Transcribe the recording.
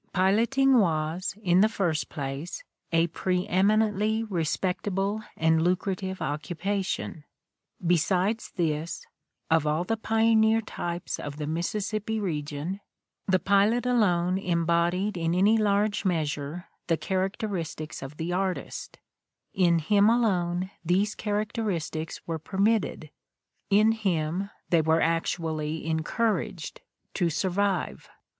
Piloting was, in the first place, a preeminently respectable and lucrative occupation ; besides this, of all the pioneer types of the Mississippi region, the pilot alone embodied in any large measure the characteristics of the artist: in him alone these characteristics were permitted, in him they were actually encouraged, to survive.